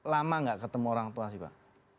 lama nggak ketemu orang tua sih pak